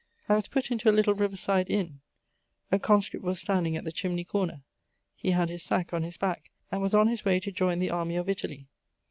I was put into a little river side inn; a conscript was standing at the chimney corner; he had his sack on his back, and was on his way to join the Army of Italy.